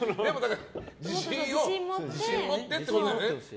自信を持ってってことだよね。